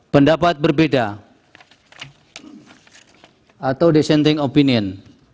pendapat berbeda atau dissenting opinion